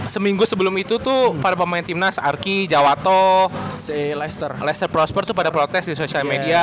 seminggu sebelum itu tuh para pemain timnas arki jawato lester prosper itu pada protes di sosial media